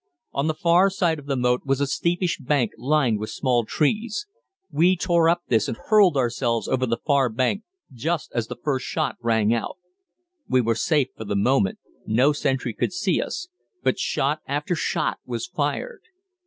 On the far side of the moat was a steepish bank lined with small trees; we tore up this and hurled ourselves over the far bank just as the first shot rang out. We were safe for the moment no sentry could see us, but shot after shot was fired.